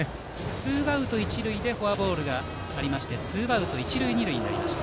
ツーアウト、一塁でフォアボールがありツーアウト一塁二塁になりました。